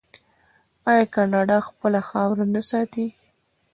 آیا کاناډا خپله خاوره نه ساتي؟